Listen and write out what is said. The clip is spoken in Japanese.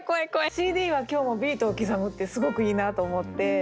「ＣＤは今日もビートを刻む」ってすごくいいなと思って。